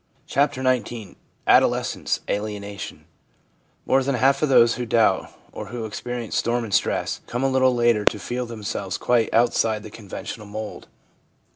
CHAPTER XIX ADOLESCENCE— ALIENATION MORE than half of those who doubt, or who experience storm and stress, come a little later to feel themselves quite outside the conventional mould.